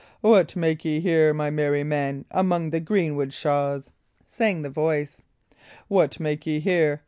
"What make ye here, my merry men, among the greenwood shaws?" sang the voice. "What make ye here?